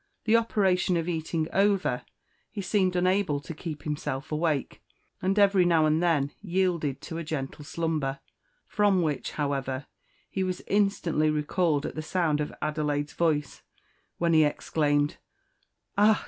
The operation of eating over, he seemed unable to keep himself awake, and every now and then yielded to a gentle slumber, from which, however, he was instantly recalled at the sound of Adelaide's voice, when he exclaimed, "Ah!